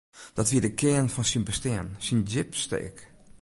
Dat wie de kearn fan syn bestean, syn djipste ik.